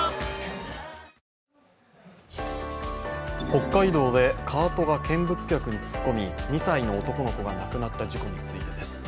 北海道でカートが見物客に突っ込み２歳の男の子が亡くなった事故についてです。